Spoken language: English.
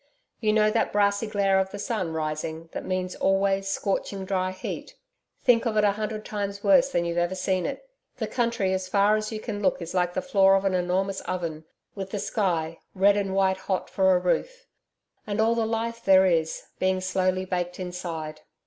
You know that brassy glare of the sun rising that means always scorching dry heat? Think of it a hundred times worse than you've ever seen it! The country as far as you can look is like the floor of an enormous oven, with the sky, red and white hot for a roof, and all the life there is, being slowly baked inside.